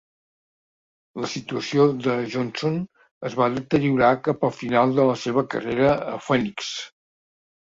La situació de Johnson es va deteriorar cap al final de la seva carrera a Phoenix.